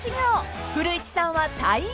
［古市さんは体育。